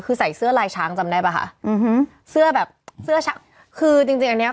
คือใส่เสื้อลายช้างจำได้ป่ะคะอืมเสื้อแบบเสื้อช้างคือจริงจริงอันเนี้ย